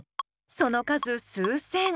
その数数千。